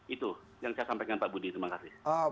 itu yang saya sampaikan pak budi terima kasih